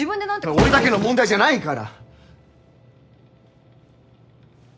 俺だけの問題じゃないから！